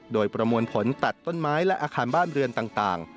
โดยประมวลผลตัดต้นไม้และอาคารบ้านเรือนต่าง